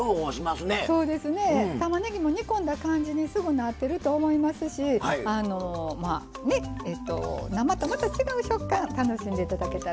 たまねぎも煮込んだ感じにすぐなってると思いますし生とまた違う食感楽しんで頂けたらと思います。